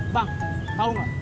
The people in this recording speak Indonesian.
bang tau gak